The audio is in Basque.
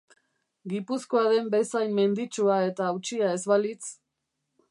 Gipuzkoa den bezain menditsua eta hautsia ez balitz.